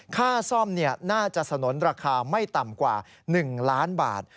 ค่าซ่อมน่าจะสนุนราคาไม่ต่ำกว่า๑ล้านบาท